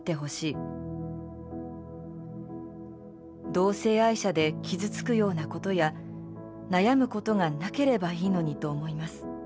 同性愛者で傷つくようなことや悩むことが無ければ良いのにと思います。